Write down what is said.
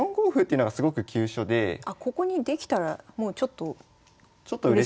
あここにできたらもうちょっとうれしい？